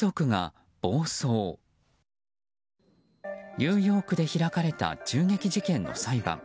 ニューヨークで開かれた銃撃事件の裁判。